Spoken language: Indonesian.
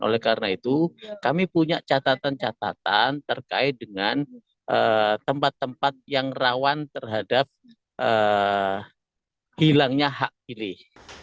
oleh karena itu kami punya catatan catatan terkait dengan tempat tempat yang rawan terhadap hilangnya hak pilih